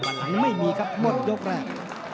วันหลังยังไม่มีครับหมดยกแรก